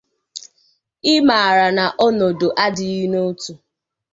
ị mara na onodo adịghị n'otu